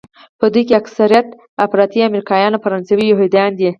په دوی کې اکثریت افراطي امریکایان او فرانسوي یهودیان دي.